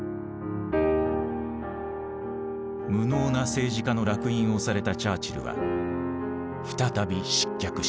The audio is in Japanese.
無能な政治家の烙印を押されたチャーチルは再び失脚した。